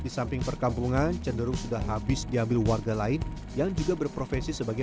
di samping perkampungan cenderung sudah habis diambil warga lain yang juga berprofesi sebagai